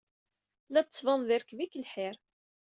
La d-tettbaned yerkeb-ik lḥir.